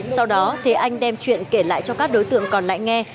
sau đó thế anh đem chuyện kể lại cho các đối tượng còn lại nghe